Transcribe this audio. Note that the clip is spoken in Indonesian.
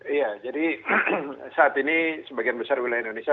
iya jadi saat ini sebagian besar wilayah indonesia